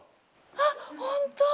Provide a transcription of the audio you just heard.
あっ本当！